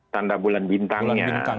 tanda bulan bintangnya